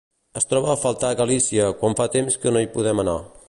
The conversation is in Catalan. Es troba a faltar Galícia quan fa temps que no hi podem anar.